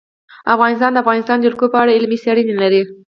افغانستان د د افغانستان جلکو په اړه علمي څېړنې لري.